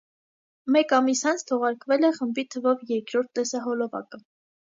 Մեկ ամիս անց թողարկվել է խմբի թվով երկրորդ տեսահոլովակը։